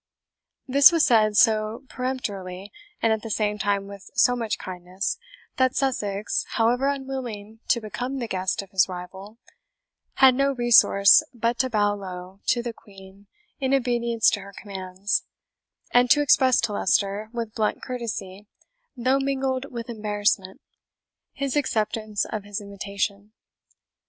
This was said so peremptorily, and at the same time with so much kindness, that Sussex, however unwilling to become the guest of his rival, had no resource but to bow low to the Queen in obedience to her commands, and to express to Leicester, with blunt courtesy, though mingled with embarrassment, his acceptance of his invitation.